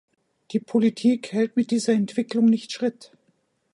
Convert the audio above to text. Die Politik hält mit dieser Entwicklung nicht Schritt.